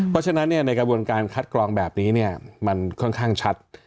เพราะฉะนั้นในกระบวนการคัดกรองแบบนี้มันค่อนข้างชัด